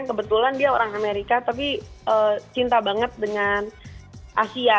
kebetulan dia orang amerika tapi cinta banget dengan asia